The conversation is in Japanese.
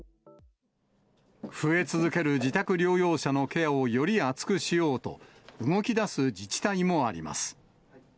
増え続ける自宅療養者のケアをより厚くしようと、動きだす自治体もあります。